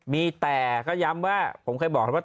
มีแต่ก็ย้ำว่าผมเคยบอกแล้วว่า